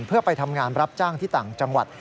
เพื่อไปทำงานรับจ้างที่ต่างจังหวัด